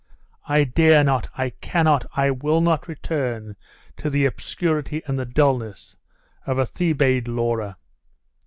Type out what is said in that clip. I dare not, I cannot, I will not return to the obscurity and the dulness of a Thebaid Laura.